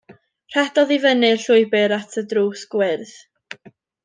Rhedodd i fyny'r llwybr at y drws gwyrdd.